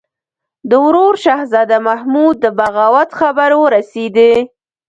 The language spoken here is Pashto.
د ورور شهزاده محمود د بغاوت خبر ورسېدی.